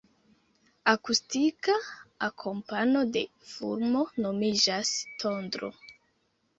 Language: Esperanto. Akustika akompano de fulmo nomiĝas tondro.